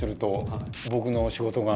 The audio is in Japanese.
僕の仕事が。